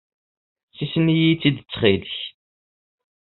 Ssisen-iyi-tt-id ttxil-k.